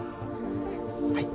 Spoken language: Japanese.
はい。